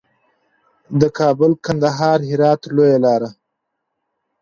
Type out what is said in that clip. د کابل، کندهار، هرات لویه لار.